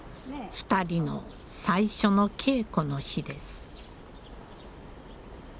２人の最初の稽古の日です。